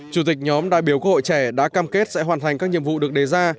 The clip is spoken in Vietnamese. chủ tịch nhóm đại biểu quốc hội trẻ đã cam kết sẽ hoàn thành các nhiệm vụ được đề ra